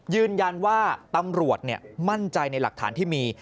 ยืนยันว่าตำรวจมั่นใจในหลักฐานที่มี